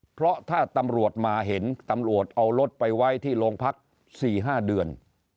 เพราะถ้าตำรวจมาเห็นตำรวจเอารถไปไว้ที่โรงพัก๔๕เดือน